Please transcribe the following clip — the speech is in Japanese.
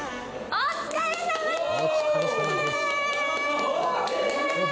お疲れさまでした。